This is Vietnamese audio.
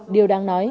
điều đáng nói